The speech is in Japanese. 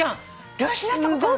両足なったことあんの？